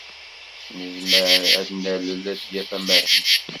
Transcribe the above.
Nezmer ad t-nalel ad d-yaf amahil.